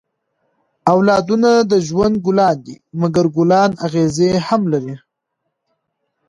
اولادونه د ژوند ګلان دي؛ مکر ګلان اغزي هم لري.